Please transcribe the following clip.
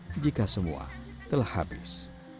jika semua telah habis